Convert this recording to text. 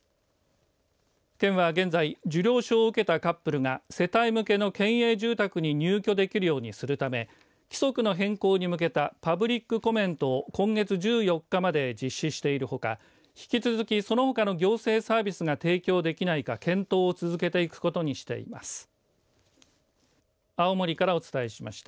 県は現在受領証を受けたカップルが世帯向けの県営住宅に入居できるようにするため規則の変更に向けたパブリックコメントを今月１４日まで実施しているほか引き続き、そのほかの行政サービスが提供できないか検討を続けていくことにしています。